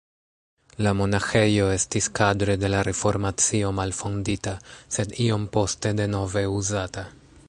La monaĥejo estis kadre de la Reformacio malfondita, sed iom poste denove uzata.